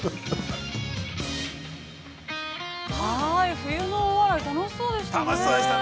◆冬の大洗、楽しそうでしたね。